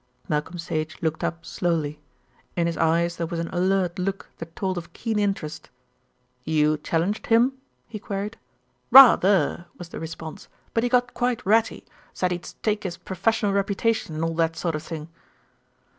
Malcolm Sage looked up slowly. In his eyes there was an alert look that told of keen interest. "You challenged him?" he queried. "Ra ther," was the response, "but he got quite ratty. Said he'd stake his professional reputation and all that sort of thing."